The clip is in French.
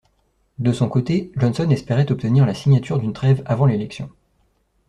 De son côté, Johnson espérait obtenir la signature d'une trêve avant l'élection.